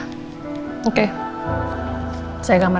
tak berharga di luar rimmel